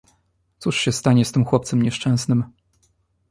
Cóż się stanie z tym chłopcem nieszczęsnym!